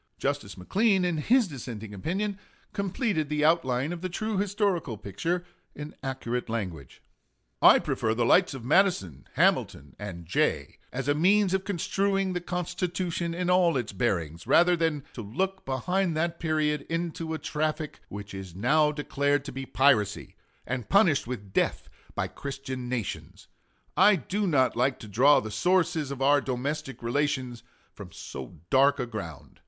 Justice McLean, in his dissenting opinion, completed the outline of the true historical picture in accurate language: 19 Howard, pp. 537 8. I prefer the lights of Madison, Hamilton, and Jay, as a means of construing the Constitution in all its bearings, rather than to look behind that period into a traffic which is now declared to be piracy, and punished with death by Christian nations. I do not like to draw the sources of our domestic relations from so dark a ground.